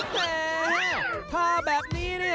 แต่ทาแบบนี้นี่